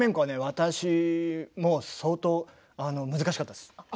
私も相当難しかったです。